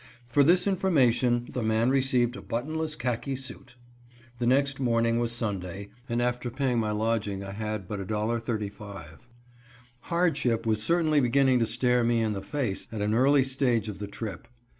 For this information the man received a buttonless khaki suit. The next morning was Sunday, and after paying my lodging I had but $1.35. Hardship was certainly beginning to stare me in the face at an early stage of the trip.